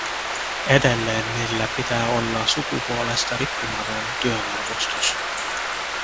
Edelleen meillä pitää olla sukupuolesta riippumaton työnarvostus.